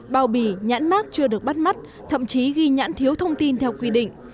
bao bì nhãn mát chưa được bắt mắt thậm chí ghi nhãn thiếu thông tin theo quy định